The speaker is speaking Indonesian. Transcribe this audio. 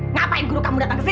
ngapain guru kamu datang kesini